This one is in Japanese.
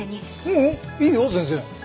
ううんいいよ全然。